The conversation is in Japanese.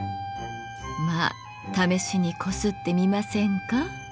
まあ試しにこすってみませんか？